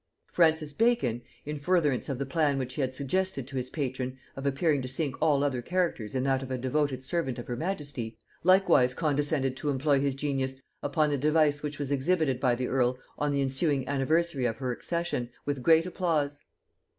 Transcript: Francis Bacon, in furtherance of the plan which he had suggested to his patron of appearing to sink all other characters in that of a devoted servant of her majesty, likewise condescended to employ his genius upon a device which was exhibited by the earl on the ensuing anniversary of her accession, with great applause.